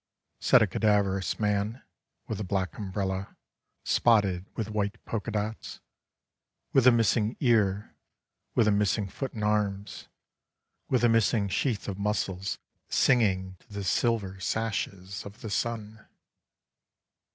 — said a cadaverous man — ^with a black umbrella — spotted with white polka dots — with a missing ear — with a missing foot and arms — with a missing sheath of muscles singing to the silver sashes of the sun.)